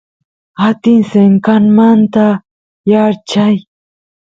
atin senqanmanta yaarchay